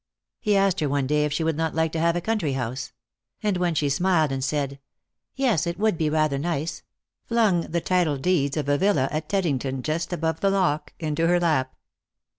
He asked her one day if she would not like to have a country house ; and when she smiled and said " Yes, it would be rather nice," flung the title deeds of a villa at Teddington, just above the lock, into her lap.